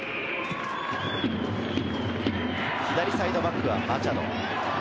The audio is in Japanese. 左サイドバックはマチャド。